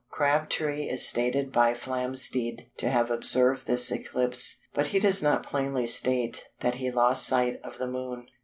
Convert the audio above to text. Crabtree is stated by Flamsteed to have observed this eclipse, but he does not plainly state that he lost sight of the Moon.